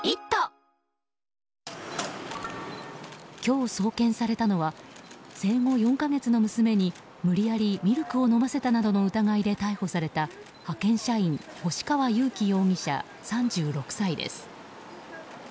今日、送検されたのは生後４か月の娘に無理やりミルクを飲ませたなどの疑いで逮捕された派遣社員星川佑樹容疑者、３６歳です。